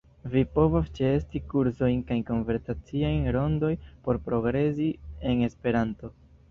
Vi povos ĉeesti kursojn kaj konversaciajn rondojn por progresi en Esperanto.